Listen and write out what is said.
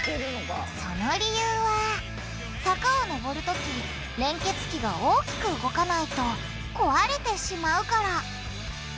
その理由は坂をのぼるとき連結器が大きく動かないと壊れてしまうから。